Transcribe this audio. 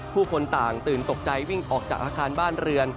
ผู้คนต่างตื่นตกใจวิ่งออกจากอาคารบ้านเรือน